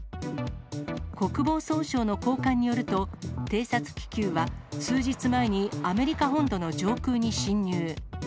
国防総省の高官によると、偵察気球は数日前にアメリカ本土の上空に侵入。